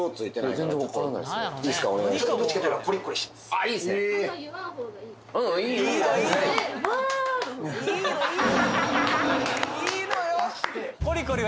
いいのよ